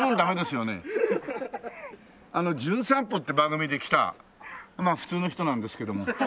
『じゅん散歩』って番組で来たまあ普通の人なんですけども。